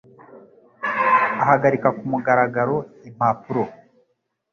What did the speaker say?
ahagarika ku mugaragaro impapuro,